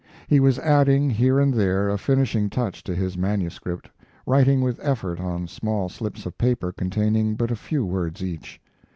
He was adding, here and there, a finishing touch to his manuscript, writing with effort on small slips of paper containing but a few words each.